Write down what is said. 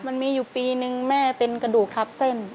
มันมีอยู่ปีนึงแม่เป็นกระดูกทับเส้น